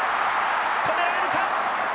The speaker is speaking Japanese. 止められるか！